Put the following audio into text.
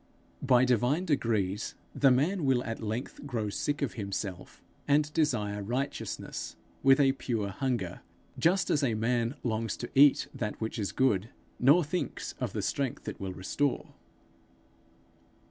By divine degrees the man will at length grow sick of himself, and desire righteousness with a pure hunger just as a man longs to eat that which is good, nor thinks of the strength it will restore.